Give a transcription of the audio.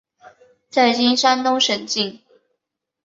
在今山东省境。